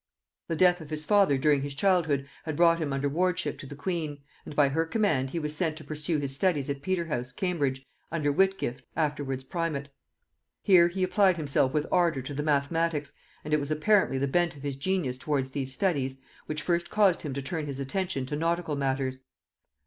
The death of his father during his childhood had brought him under wardship to the queen; and by her command he was sent to pursue his studies at Peterhouse, Cambridge, under Whitgift, afterwards primate. Here he applied himself with ardor to the mathematics, and it was apparently the bent of his genius towards these studies which first caused him to turn his attention to nautical matters.